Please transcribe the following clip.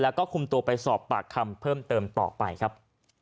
แล้วก็คุมตัวไปสอบปากคำเพิ่มเติมต่อไปครับ